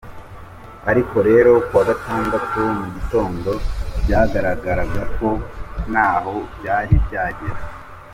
Ariko rero kuwa gatandatu mu gitondo byagaragaraga ko ntaho byari byagera.